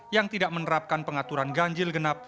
yang tidak menerapkan pengaturan ganjil genap